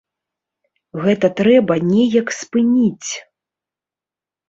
Гэта трэба неяк спыніць.